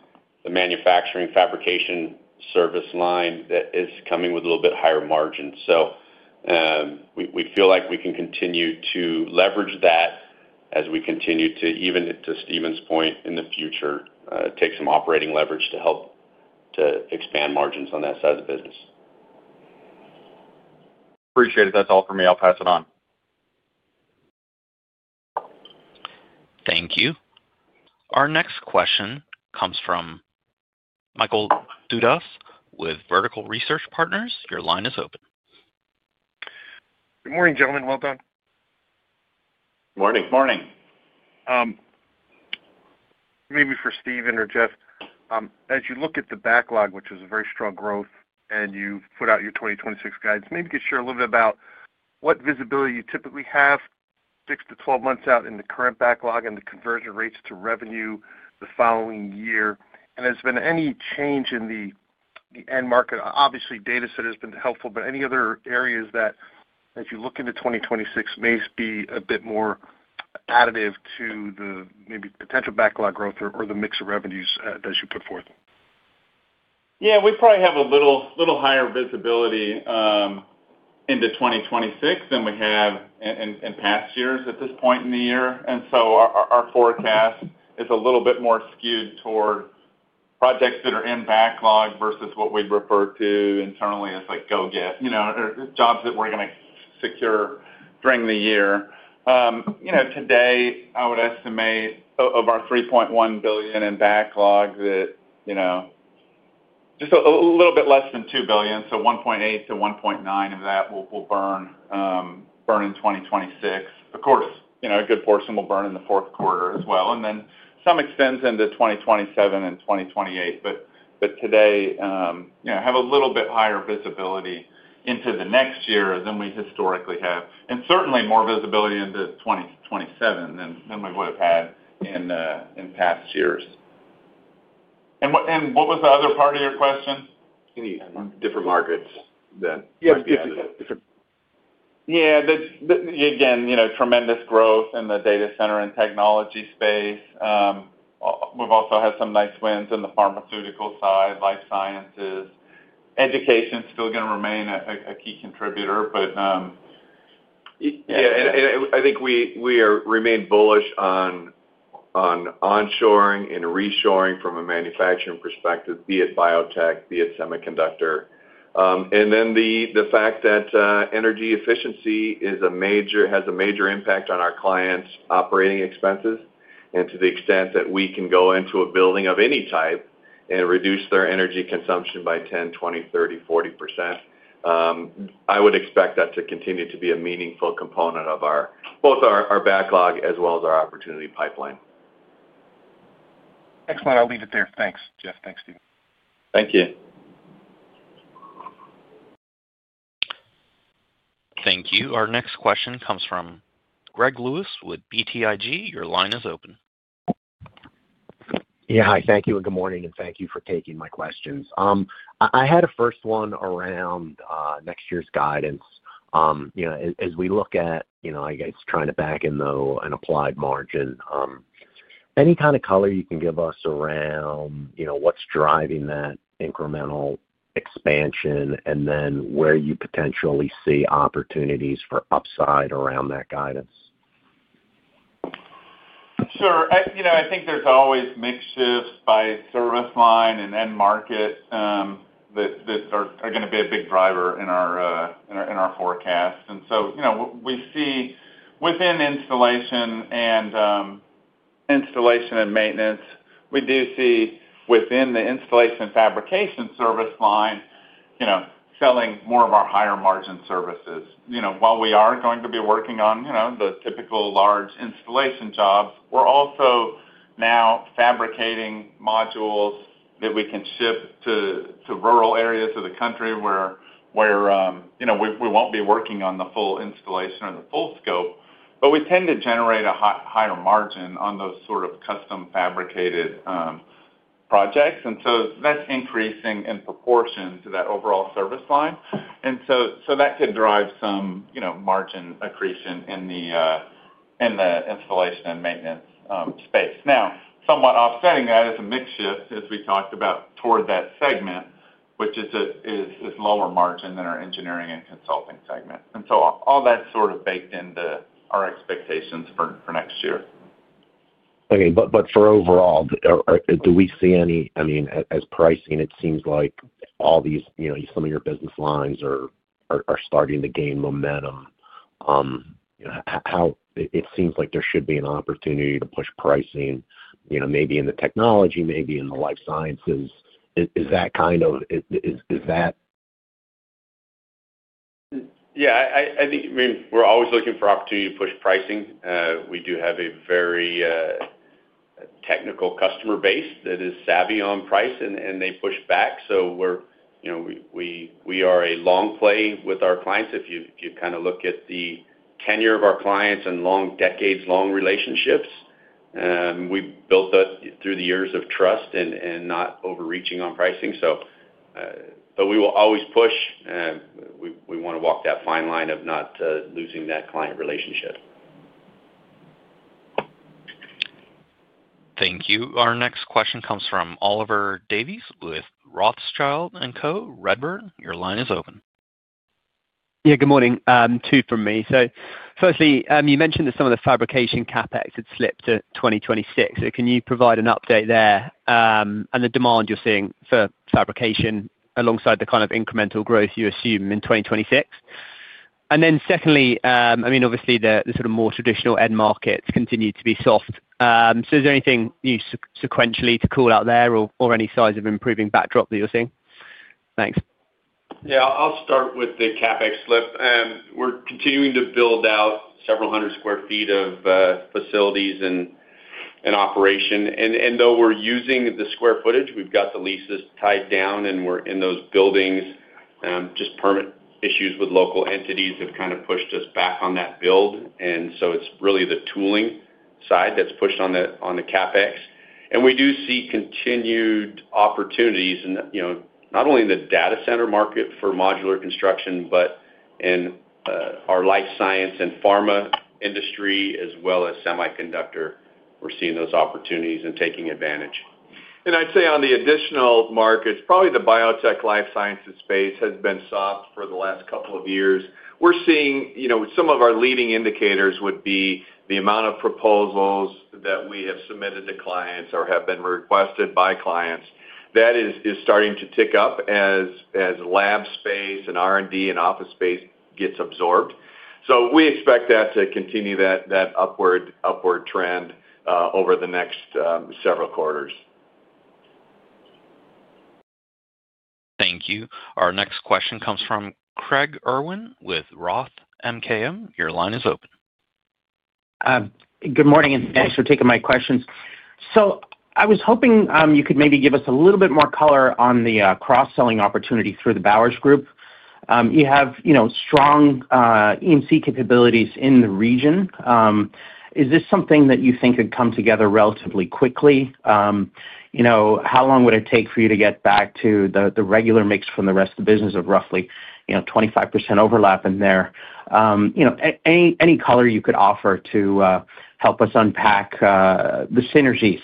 [SPEAKER 3] the manufacturing fabrication service line that is coming with a little bit higher margins. We feel like we can continue to leverage that as we continue to, even to Stephen's point, in the future, take some operating leverage to help to expand margins on that side of the business.
[SPEAKER 8] Appreciate it. That's all for me. I'll pass it on. Thank you. Our next question comes from Michael Dudas with Vertical Research Partners. Your line is open.
[SPEAKER 9] Good morning, gentlemen.
[SPEAKER 3] Good morning.
[SPEAKER 4] Good morning.
[SPEAKER 9] Maybe for Stephen or Jeff, as you look at the backlog, which was a very strong growth, and you've put out your 2026 guidance, maybe you could share a little bit about what visibility you typically have 6-12 months out in the current backlog and the conversion rates to revenue the following year. Has there been any change in the end market? Obviously, data center has been helpful, but any other areas that, as you look into 2026, may be a bit more additive to the maybe potential backlog growth or the mix of revenues that you put forth?
[SPEAKER 4] Yeah, we probably have a little higher visibility into 2026 than we have in past years at this point in the year. Our forecast is a little bit more skewed toward projects that are in backlog versus what we'd refer to internally as go get jobs that we're going to secure during the year. Today, I would estimate of our $3.1 billion in backlog that just a little bit less than $2 billion, so $1.8-$1.9 billion of that will burn in 2026. Of course, a good portion will burn in the fourth quarter as well. Some extends into 2027 and 2028. Today, have a little bit higher visibility into the next year than we historically have. Certainly, more visibility into 2027 than we would have had in past years.
[SPEAKER 9] What was the other part of your question? Any different margins that?
[SPEAKER 4] Yeah, yeah. Again, tremendous growth in the data center and technology space. We've also had some nice wins in the pharmaceutical side, life sciences. Education is still going to remain a key contributor, but yeah. I think we remain bullish on onshoring and reshoring from a manufacturing perspective, be it biotech, be it semiconductor. The fact that energy efficiency has a major impact on our clients' operating expenses. To the extent that we can go into a building of any type and reduce their energy consumption by 10%, 20%, 30%, 40%, I would expect that to continue to be a meaningful component of both our backlog as well as our opportunity pipeline.
[SPEAKER 9] Excellent. I'll leave it there. Thanks, Jeff. Thanks, Stephen.
[SPEAKER 3] Thank you.
[SPEAKER 1] Thank you. Our next question comes from Greg Lewis with BTIG. Your line is open.
[SPEAKER 10] Yeah. Hi, thank you. Good morning, and thank you for taking my questions. I had a first one around next year's guidance. As we look at, I guess, trying to back in though an applied margin, any kind of color you can give us around what's driving that incremental expansion and then where you potentially see opportunities for upside around that guidance?
[SPEAKER 4] Sure. I think there's always mixed shifts by service line and end market that are going to be a big driver in our forecast. We see within installation and maintenance, we do see within the installation fabrication service line selling more of our higher margin services. While we are going to be working on the typical large installation jobs, we're also now fabricating modules that we can ship to rural areas of the country where we won't be working on the full installation or the full scope. We tend to generate a higher margin on those sort of custom fabricated projects. That is increasing in proportion to that overall service line. That could drive some margin accretion in the installation and maintenance space. Now, somewhat offsetting that is a mix shift, as we talked about, toward that segment, which is lower margin than our engineering and consulting segment. All that is sort of baked into our expectations for next year.
[SPEAKER 10] Okay. For overall, do we see any, I mean, as pricing, it seems like some of your business lines are starting to gain momentum. It seems like there should be an opportunity to push pricing, maybe in the technology, maybe in the life sciences. Is that kind of, is that?
[SPEAKER 4] Yeah. I mean, we are always looking for opportunity to push pricing. We do have a very technical customer base that is savvy on price, and they push back. We are a long play with our clients. If you kind of look at the tenure of our clients and long decades, long relationships, we built that through the years of trust and not overreaching on pricing. We will always push. We want to walk that fine line of not losing that client relationship.
[SPEAKER 1] Thank you. Our next question comes from Oliver Davies with Rothschild & Co. Redbird. Your line is open.
[SPEAKER 11] Yeah. Good morning. Two from me. Firstly, you mentioned that some of the fabrication CapEx had slipped to 2026. Can you provide an update there on the demand you're seeing for fabrication alongside the kind of incremental growth you assume in 2026? And then secondly, I mean, obviously, the sort of more traditional end markets continue to be soft. Is there anything sequentially to call out there or any size of improving backdrop that you're seeing? Thanks.
[SPEAKER 4] Yeah. I'll start with the CapEx slip. We're continuing to build out several hundred sq ft of facilities and operation. And though we're using the square footage, we've got the leases tied down, and we're in those buildings. Just permit issues with local entities have kind of pushed us back on that build. It's really the tooling side that's pushed on the CapEx. We do see continued opportunities, not only in the data center market for modular construction, but in our life science and pharma industry as well as semiconductor. We're seeing those opportunities and taking advantage. I'd say on the additional markets, probably the biotech life sciences space has been soft for the last couple of years. We're seeing some of our leading indicators would be the amount of proposals that we have submitted to clients or have been requested by clients. That is starting to tick up as lab space and R&D and office space gets absorbed. We expect that to continue that upward trend over the next several quarters.
[SPEAKER 1] Thank you. Our next question comes from Craig Irwin with Roth MKM. Your line is open.
[SPEAKER 12] Good morning, and thanks for taking my questions. I was hoping you could maybe give us a little bit more color on the cross-selling opportunity through the Bowers Group. You have strong EMC capabilities in the region. Is this something that you think could come together relatively quickly? How long would it take for you to get back to the regular mix from the rest of the business of roughly 25% overlap in there? Any color you could offer to help us unpack the synergies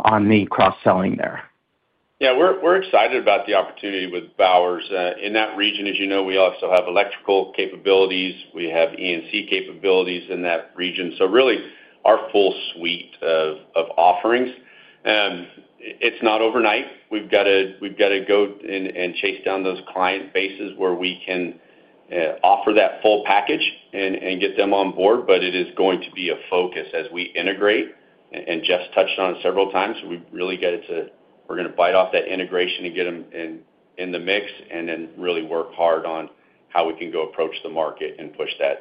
[SPEAKER 12] on the cross-selling there?
[SPEAKER 4] Yeah. We're excited about the opportunity with Bowers. In that region, as you know, we also have electrical capabilities. We have EMC capabilities in that region. So really, our full suite of offerings. It's not overnight. We've got to go and chase down those client bases where we can offer that full package and get them on board. It is going to be a focus as we integrate. Jeff's touched on it several times. We've really got to—we're going to bite off that integration and get them in the mix and then really work hard on how we can go approach the market and push that.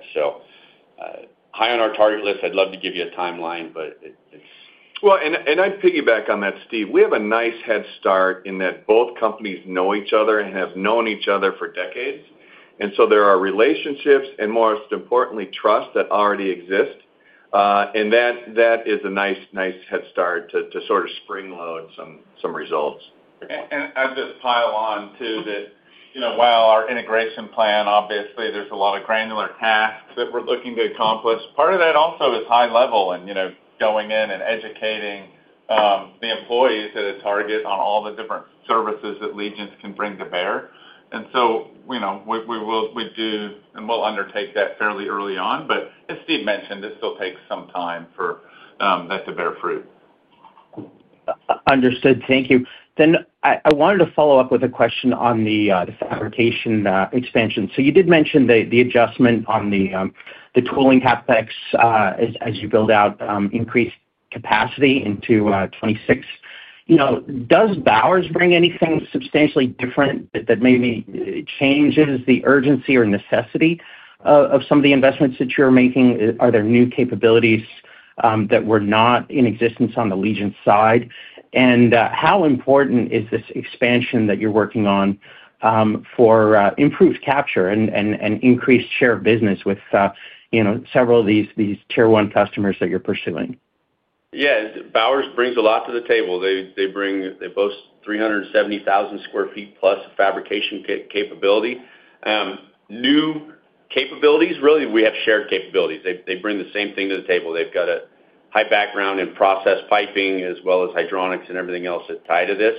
[SPEAKER 4] High on our target list. I'd love to give you a timeline, but it's —
[SPEAKER 3] I piggyback on that, Steve. We have a nice head start in that both companies know each other and have known each other for decades. There are relationships and, most importantly, trust that already exist. That is a nice head start to sort of springload some results. I'd just pile on too that while our integration plan, obviously, there's a lot of granular tasks that we're looking to accomplish, part of that also is high level and going in and educating the employees at a target on all the different services that Legence can bring to bear. We do, and we'll undertake that fairly early on. As Steve mentioned, it still takes some time for that to bear fruit.
[SPEAKER 12] Understood. Thank you. I wanted to follow up with a question on the fabrication expansion. You did mention the adjustment on the tooling CapEx as you build out increased capacity into 2026. Does Bowers bring anything substantially different that maybe changes the urgency or necessity of some of the investments that you're making? Are there new capabilities that were not in existence on the Legence side? How important is this expansion that you're working on for improved capture and increased share of business with several of these tier one customers that you're pursuing?
[SPEAKER 4] Yeah. Bowers brings a lot to the table. They boast 370,000 sq ft plus fabrication capability. New capabilities, really, we have shared capabilities. They bring the same thing to the table. They've got a high background in process piping as well as hydronics and everything else that's tied to this.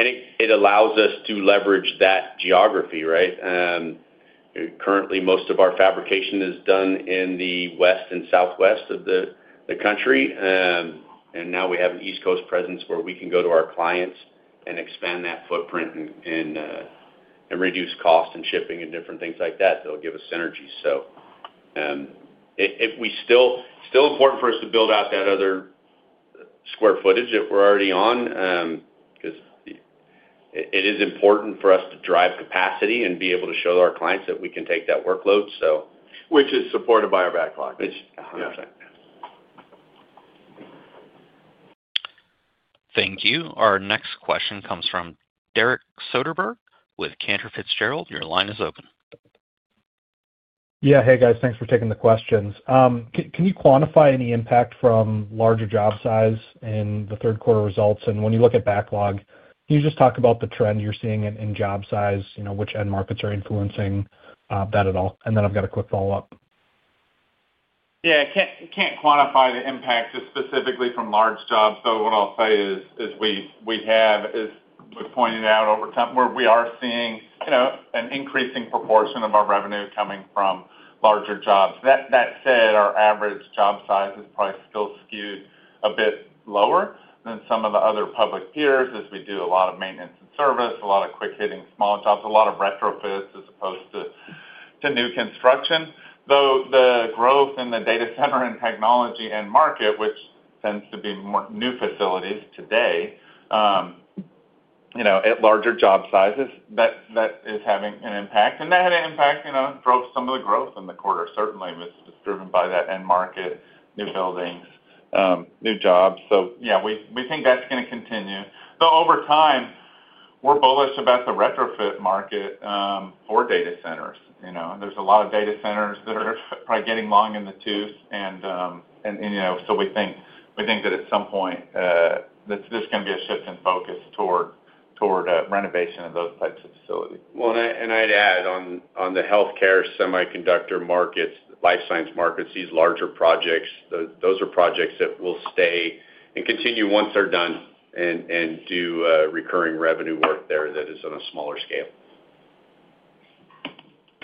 [SPEAKER 4] It allows us to leverage that geography, right? Currently, most of our fabrication is done in the west and southwest of the country. Now we have an East Coast presence where we can go to our clients and expand that footprint and reduce cost and shipping and different things like that that will give us synergy. It is still important for us to build out that other square footage that we are already on because it is important for us to drive capacity and be able to show our clients that we can take that workload. Which is supported by our backlog. 100%.
[SPEAKER 1] Thank you. Our next question comes from Derek Soderbergh with Cantor Fitzgerald. Your line is open.
[SPEAKER 13] Yeah. Hey, guys. Thanks for taking the questions. Can you quantify any impact from larger job size in the third quarter results? When you look at backlog, can you just talk about the trend you're seeing in job size, which end markets are influencing that at all?
[SPEAKER 3] I can't quantify the impact specifically from large jobs. What I'll say is we have, as we've pointed out over time, we are seeing an increasing proportion of our revenue coming from larger jobs. That said, our average job size is probably still skewed a bit lower than some of the other public peers as we do a lot of maintenance and service, a lot of quick-hitting small jobs, a lot of retrofits as opposed to new construction. Though the growth in the data center and technology end market, which tends to be more new facilities today at larger job sizes, that is having an impact. That impact drove some of the growth in the quarter, certainly, was driven by that end market, new buildings, new jobs. We think that's going to continue. Over time, we're bullish about the retrofit market for data centers. There's a lot of data centers that are probably getting long in the tooth. We think that at some point, there's going to be a shift in focus toward renovation of those types of facilities.
[SPEAKER 4] I'd add on the healthcare semiconductor markets, life science markets, these larger projects, those are projects that will stay and continue once they're done and do recurring revenue work there that is on a smaller scale.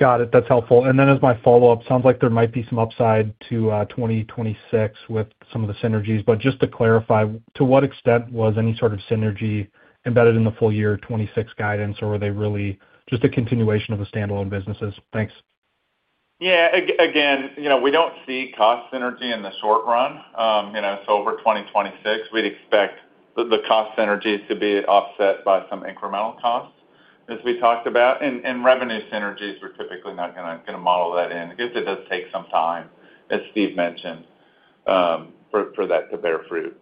[SPEAKER 13] Got it. That's helpful. As my follow-up, sounds like there might be some upside to 2026 with some of the synergies. Just to clarify, to what extent was any sort of synergy embedded in the full year 2026 guidance, or were they really just a continuation of the standalone businesses?
[SPEAKER 3] Thanks. Yeah. Again, we do not see cost synergy in the short run. Over 2026, we would expect the cost synergies to be offset by some incremental costs, as we talked about. Revenue synergies, we are typically not going to model that in because it does take some time, as Steve mentioned, for that to bear fruit.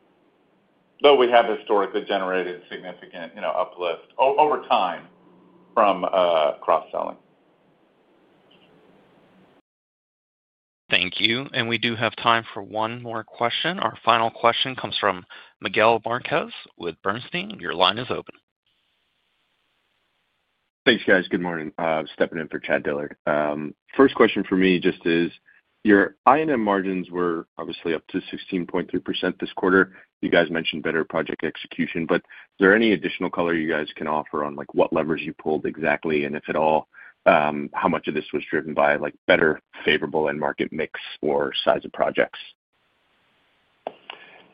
[SPEAKER 3] Though we have historically generated significant uplift over time from cross-selling.
[SPEAKER 1] Thank you. We do have time for one more question. Our final question comes from Miguel Marquez with Bernstein. Your line is open.
[SPEAKER 14] Thanks, guys. Good morning. Stepping in for Chad Dillard. First question for me just is your I&M margins were obviously up to 16.3% this quarter. You guys mentioned better project execution. Is there any additional color you guys can offer on what levers you pulled exactly? If at all, how much of this was driven by better favorable end market mix or size of projects?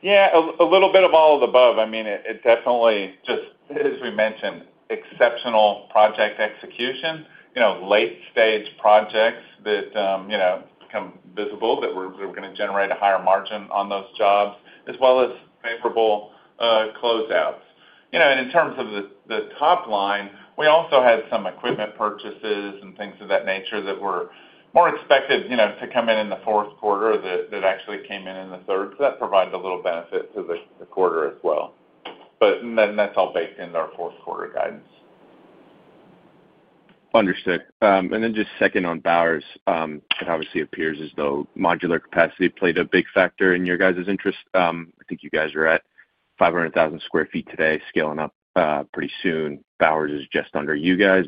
[SPEAKER 3] Yeah. A little bit of all of the above. I mean, it definitely, just as we mentioned, exceptional project execution, late-stage projects that become visible that were going to generate a higher margin on those jobs, as well as favorable closeouts. In terms of the top line, we also had some equipment purchases and things of that nature that were more expected to come in in the fourth quarter that actually came in in the third. That provided a little benefit to the quarter as well. That is all baked into our fourth quarter guidance.
[SPEAKER 14] Understood. And then just second on Bowers, it obviously appears as though modular capacity played a big factor in your guys' interest. I think you guys are at 500,000 sq ft today, scaling up pretty soon. Bowers is just under you guys.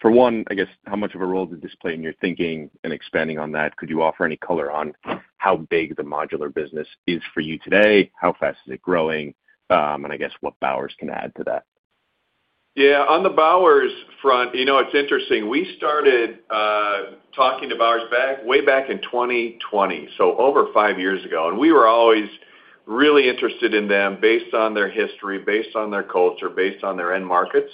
[SPEAKER 14] For one, I guess, how much of a role did this play in your thinking and expanding on that? Could you offer any color on how big the modular business is for you today? How fast is it growing? I guess what Bowers can add to that?
[SPEAKER 3] Yeah. On the Bowers front, it's interesting. We started talking to Bowers way back in 2020, so over five years ago. We were always really interested in them based on their history, based on their culture, based on their end markets.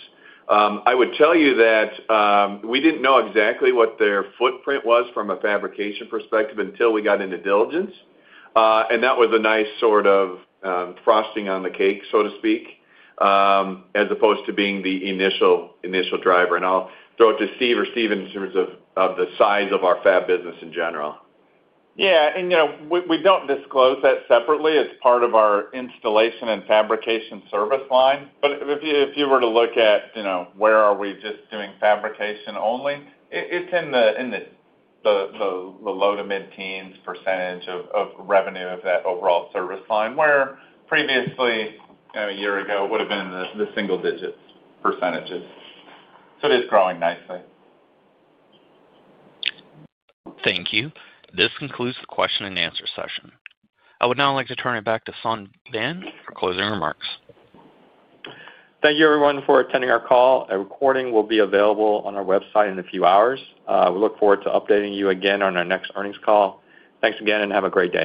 [SPEAKER 3] I would tell you that we did not know exactly what their footprint was from a fabrication perspective until we got into diligence. That was a nice sort of frosting on the cake, so to speak, as opposed to being the initial driver. I will throw it to Steve or Stephen in terms of the size of our fab business in general.
[SPEAKER 4] Yeah. We do not disclose that separately. It is part of our installation and fabrication service line. If you were to look at where we are just doing fabrication only, it is in the low to mid-teens percentage of revenue of that overall service line where previously, a year ago, it would have been in the single-digit percentage. It is growing nicely. Thank you. This concludes the question and answer session. I would now like to turn it back to Son Van for closing remarks.
[SPEAKER 2] Thank you, everyone, for attending our call. A recording will be available on our website in a few hours. We look forward to updating you again on our next earnings call. Thanks again, and have a great day.